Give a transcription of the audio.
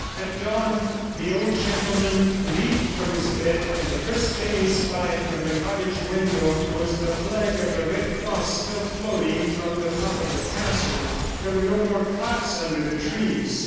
At dawn the old gentleman leaped from his bed, and the first thing he spied from the cottage window was the flag of the Red Cross still floating from the top of the castle. There were no more cots under the trees.